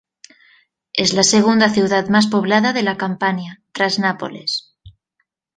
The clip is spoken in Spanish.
Es la segunda ciudad más poblada de la Campania, tras Nápoles.